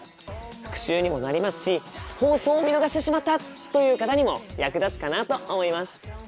復習にもなりますし放送を見逃してしまったという方にも役立つかなと思います。